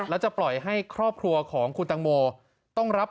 แล้วจะปล่อยให้ครอบครัวของคุณตังโมต้องรับ